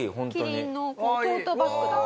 キリンのトートバッグだとか。